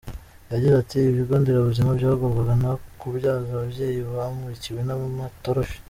Yagize ati “Ibigo nderabuzima byagorwaga no kubyaza ababyeyi bamurikiwe n’amatoroshi.